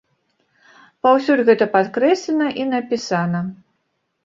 Паўсюль гэта падкрэслена і напісана.